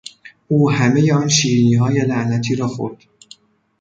او همهی آن شیرینیهای لعنتی را خورد!